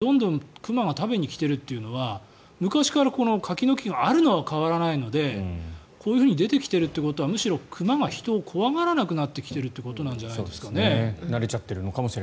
それをこうやってどんどん熊が食べに来ているというのは昔から柿の木があるのは変わらないのでこういうふうに出てきているということはむしろ熊が人を怖がらなくなっちゃってるんじゃないですかね。